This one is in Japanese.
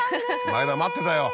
前田待ってたよ。